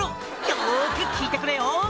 よく聞いてくれよ！」